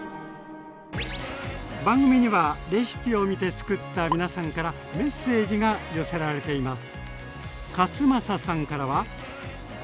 番組にはレシピを見てつくった皆さんからメッセージが寄せられています。